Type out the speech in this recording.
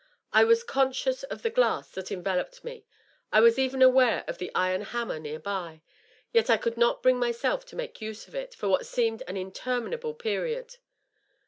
I was conscious of the glass that envel oped me; I was even aware of the iron hammer near by, yet I could not bring myself to make use of it for what seemed an interminable period.